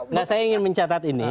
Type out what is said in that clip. nah saya ingin mencatat ini